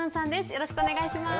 よろしくお願いします。